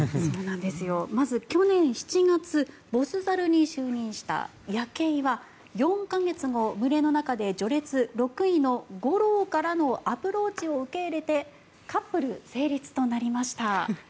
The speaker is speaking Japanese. まず去年７月、ボス猿に就任したヤケイは４か月後、群れの中で序列６位のゴローからのアプローチを受け入れてカップル成立となりました。